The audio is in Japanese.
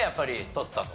取ったと。